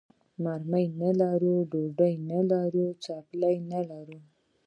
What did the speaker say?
مرمۍ نه لرو، ډوډۍ نه لرو، څپلۍ نه لرو.